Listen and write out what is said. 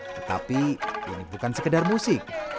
tetapi ini bukan sekedar musik